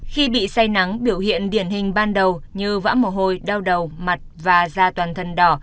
khi bị say nắng biểu hiện điển hình ban đầu như vã mồ hôi đau đầu mặt và da toàn thân đỏ